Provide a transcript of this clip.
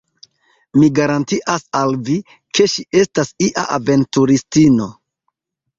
Mi garantias al vi, ke ŝi estas ia aventuristino!